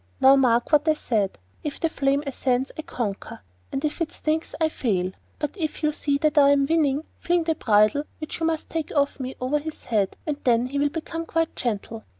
Now mark what I say—if the flame ascends I conquer, and if it sinks I fail; but if you see that I am winning, fling the bridle, which you must take off me, over his head, and then he will become quite gentle.